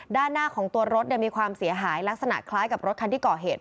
ด้านหน้าของตัวรถมีความเสียหายลักษณะคล้ายกับรถคันที่ก่อเหตุ